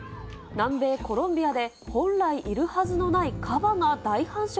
南米コロンビアで、本来いるはずのないカバが大繁殖。